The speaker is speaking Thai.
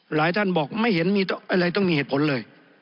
หลายท่านบอกไม่เห็นมีอะไรต้องมีเหตุผลเลย